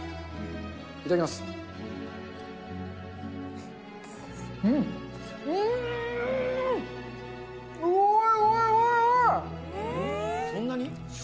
いただきます。